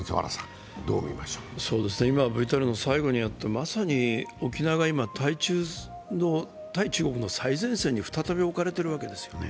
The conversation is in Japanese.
今、ＶＴＲの最後にあったまさに今、沖縄が対中国の最前線に再び置かれているわけですよね。